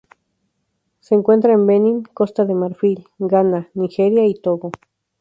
Se encuentra en Benín, Costa de Marfil, Ghana, Nigeria, y Togo.